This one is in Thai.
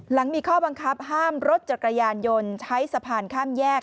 หลังมีข้อบังคับห้ามรถจักรยานยนต์ใช้สะพานข้ามแยก